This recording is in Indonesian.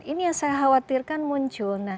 ini yang saya khawatirkan muncul